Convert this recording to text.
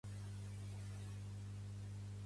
Pertany al moviment independentista el Juanca?